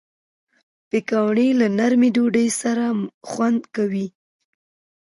پکورې له نرمې ډوډۍ سره خوند کوي